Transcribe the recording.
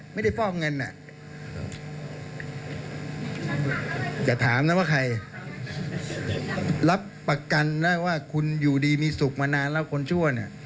อย่าถามนะว่าใครรับประกันได้ว่าคุณอยู่ดีมีสุขมานานแล้วคนชั่วเนี่ย